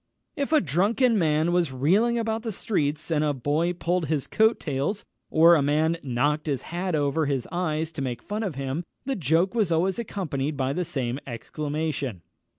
_" If a drunken man was reeling about the streets, and a boy pulled his coat tails, or a man knocked his hat over his eyes to make fun of him, the joke was always accompanied by the same exclamation.